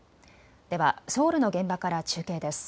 ではソウルの現場から中継です。